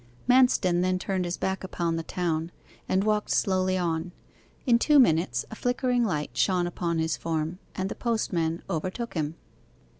Manston then turned his back upon the town, and walked slowly on. In two minutes a flickering light shone upon his form, and the postman overtook him.